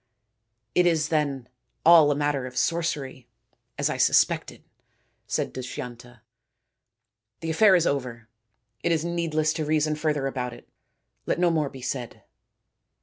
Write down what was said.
" It is, then, all a matter of sorcery, as I sus pected," said Dushyanta. " The affair is over. It is needless to reason further about it. Let no more be said."